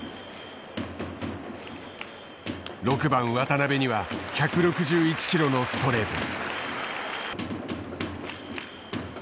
６番渡部には１６１キロのストレート。